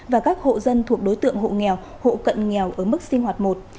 và các hộ dân thuộc đối tượng hộ nghèo hộ cận nghèo ở mức sinh hoạt một